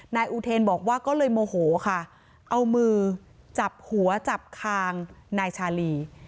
นายอูเทนบอกว่าก็เลยโมโหค่ะเอามือจับหัวจับคางนายชาลี